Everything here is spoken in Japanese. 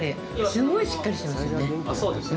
すんごいしっかりしてますよね。